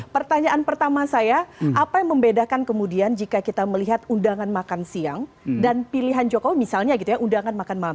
pertanyaan pertama saya apa yang membedakan kemudian jika kita melihat undangan makan siang dan pilihan jokowi misalnya gitu ya undangan makan malam